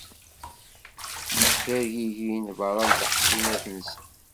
Ttergigin berra n leḥṣinat-nsen.